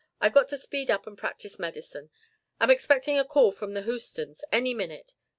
I've got to speed up and practise medicine. Am expecting a call from out at Houston's any minute.